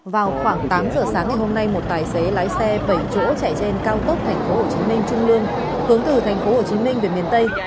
vào khoảng tám h sáng ngày hôm nay một tài xế lái xe bảy chỗ chạy trên cao tốc tp hồ chí minh trung lương hướng từ tp hồ chí minh về miền tây